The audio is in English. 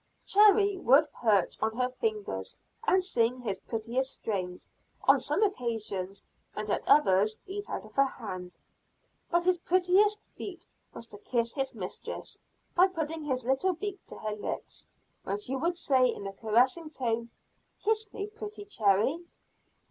Cherry would perch on her finger and sing his prettiest strains on some occasions; and at others eat out of her hand. But his prettiest feat was to kiss his mistress by putting his little beak to her lips, when she would say in a caressing tone, "Kiss me, pretty Cherry."